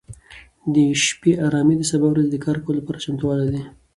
د شپې ارامي د سبا ورځې د کار لپاره چمتووالی دی.